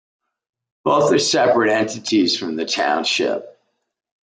Both are separate entities from the township.